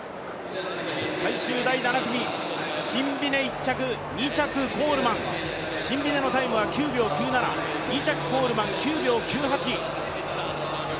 最終第７組、シンビネ１着、２着コールマン、シンビネのタイムは９秒９７、２着コールマン９秒９８。